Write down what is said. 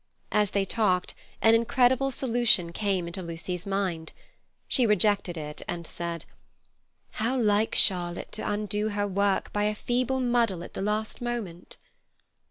As they talked, an incredible solution came into Lucy's mind. She rejected it, and said: "How like Charlotte to undo her work by a feeble muddle at the last moment."